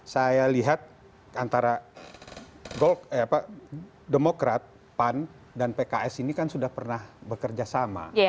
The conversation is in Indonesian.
saya lihat antara demokrat pan dan pks ini kan sudah pernah bekerja sama